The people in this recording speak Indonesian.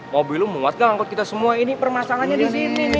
mobil lu muat ga ngangkut kita semua ini permasangannya disini nih